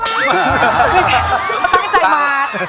ตั้งใจมา